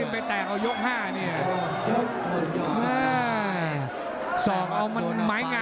อภัทรโน่น